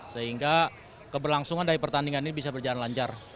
sehingga keberlangsungan dari pertandingan ini bisa berjalan lancar